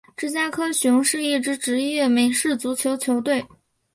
芝加哥熊是一支职业美式足球球队。